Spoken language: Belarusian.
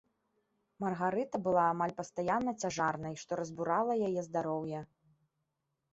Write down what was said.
Маргарыта была амаль пастаянна цяжарнай, што разбурала яе здароўе.